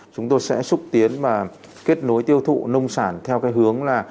chúng tôi sẽ xúc tiến và kết nối tiêu thụ nông sản theo cái hướng là